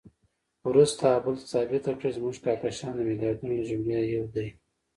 وروسته هابل ثابته کړه چې زموږ کهکشان د میلیاردونو له جملې یو دی.